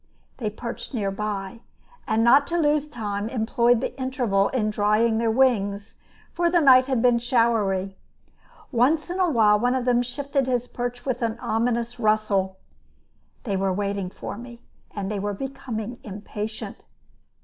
They perched near by, and, not to lose time, employed the interval in drying their wings, for the night had been showery. Once in a while one of them shifted his perch with an ominous rustle. They were waiting for me, and were becoming impatient.